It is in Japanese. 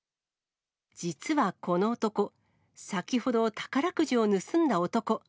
実はこの男、先ほど、宝くじを盗んだ男。